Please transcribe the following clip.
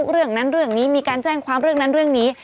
เรื่องนั้นเรื่องนี้มีการแจ้งความเรื่องนั้นเรื่องนี้